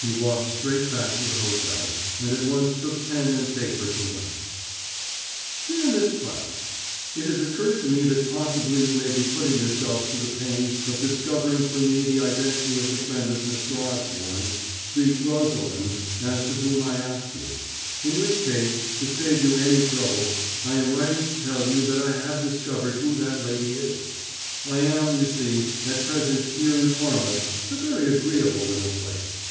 He walked straight back to the hotel, and at once took pen and paper to write: DEAR MISS PROUT: It has occurred to me that possibly you may be putting yourself to the pains of discovering for me the identity of the friend of Mr. Osborne, the "Rosalind," as to whom I asked you in which case, to save you any trouble, I am writing to tell you that I have now discovered who that lady is. I am, you see, at present here in Tormouth, a very agreeable little place.